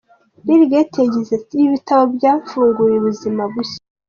Bill Gates yagize ati “Ibi bitabo byamfunguriye ubuzima bushya.